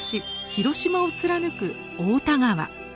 広島を貫く太田川。